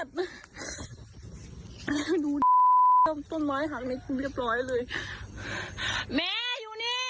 เปิดกลับเดินเลย